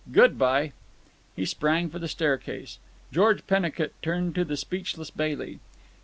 Good bye!" He sprang for the staircase. George Pennicut turned to the speechless Bailey.